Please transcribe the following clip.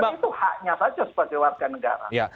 karena itu haknya saja sebagai warga negara